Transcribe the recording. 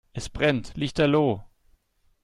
Es brennt lichterloh.